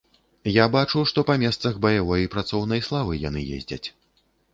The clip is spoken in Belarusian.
Я бачу, што па месцах баявой і працоўнай славы яны ездзяць.